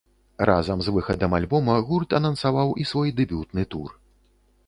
Разам з выхадам альбома гурт анансаваў і свой дэбютны тур.